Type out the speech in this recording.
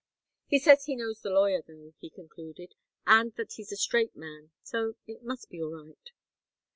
"He says he knows the lawyer, though," he concluded, "and that he's a straight man, so it must be all right."